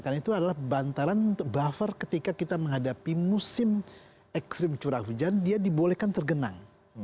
karena itu adalah bantaran untuk buffer ketika kita menghadapi musim ekstrim curah hujan dia dibolehkan tergenang